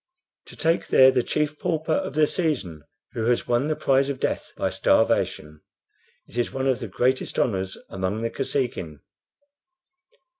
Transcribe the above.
"To take there the chief pauper of the season, who has won the prize of death by starvation. It is one of the greatest honors among the Kosekin."